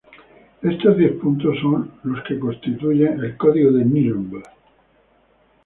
Estos diez puntos son los que constituyen el Código de Núremberg.